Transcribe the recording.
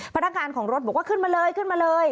พนักงานของรถบอกว่าขึ้นมาเลยขึ้นมาเลย